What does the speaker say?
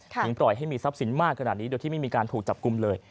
ปล่อยให้มีทรัพย์สินมากขนาดนี้โดยที่ไม่มีการถูกจับกลุ่มเลย